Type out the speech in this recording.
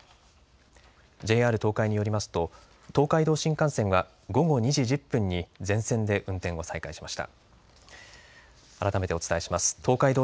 ＪＲ東海によりますと東海道新幹線は午後２時１０分に全線で運転を再開しました。